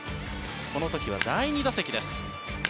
この時は第２打席です。